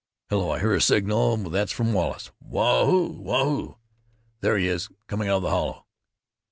Hello! I hear a signal. That's from Wallace. Waa hoo! Waa hoo! There he is, coming out of the hollow."